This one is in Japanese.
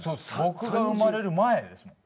僕が生まれる前ですもん。